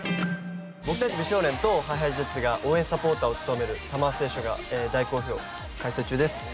僕たち美少年とＨｉＨｉＪｅｔｓが応援サポーターを務めるＳＵＭＭＥＲＳＴＡＴＩＯＮが大好評開催中です。